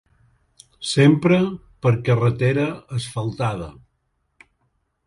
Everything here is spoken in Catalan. Sempre per carretera asfaltada.